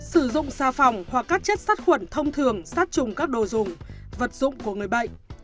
sử dụng xà phòng hoặc các chất sát khuẩn thông thường sát trùng các đồ dùng vật dụng của người bệnh